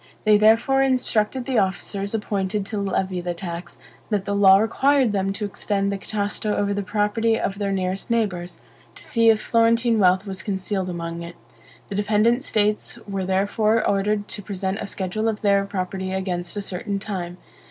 They therefore instructed the officers appointed to levy the tax, that the law required them to extend the Catasto over the property of their nearest neighbors, to see if Florentine wealth was concealed among it. The dependent states were therefore ordered to present a schedule of their property against a certain time.